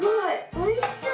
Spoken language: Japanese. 「おいしそう」。